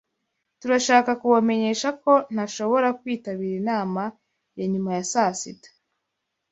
Turashaka kubamenyesha ko ntashobora kwitabira inama ya nyuma ya saa sita.